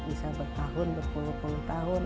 bisa bertahun berpuluh puluh tahun